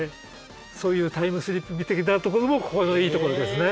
そういうタイムスリップ的なところもここのいいところですね。